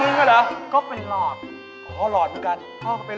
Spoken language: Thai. ลิงอะไรวะ